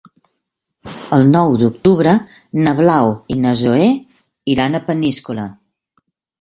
El nou d'octubre na Blau i na Zoè iran a Peníscola.